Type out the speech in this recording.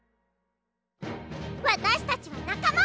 わたしたちはなかま！